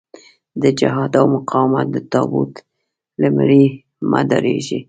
د جهاد او مقاومت د تابوت له مړي مه ډارېږئ.